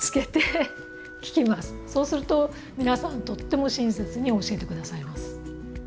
そうすると皆さんとっても親切に教えて下さいます。